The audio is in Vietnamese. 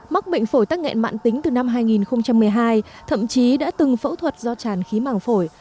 mắc bệnh phổi tắc nghẽn mạng tính từ năm hai nghìn một mươi hai thậm chí đã từng phẫu thuật do tràn khí màng phổi